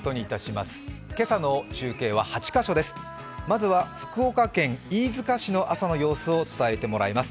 まずは、福岡県飯塚市の朝の様子を伝えてもらいます。